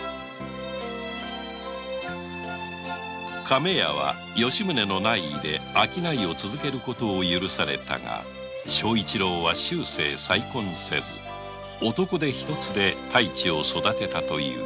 亀屋は吉宗の内意で商いを続ける事を許されたが庄一郎は再婚せず男手一つで太一を育てたという